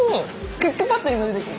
クックパッドにも出てくる！